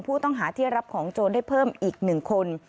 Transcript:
ผู้ต้องหาที่รับของโจรได้เพิ่มอีก๑คน